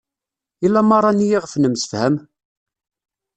I lamara-ni i ɣef nemsefham?